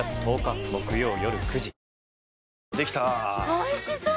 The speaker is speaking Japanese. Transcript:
おいしそう！